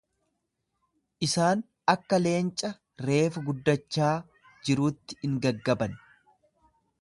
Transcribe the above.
Isaan akka leenca reefu guddachaa jiruutti in gaggaban.